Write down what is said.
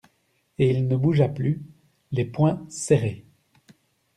Et il ne bougea plus, les poings serrés.